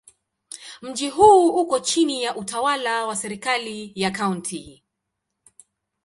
Mji huu uko chini ya utawala wa serikali ya Kaunti.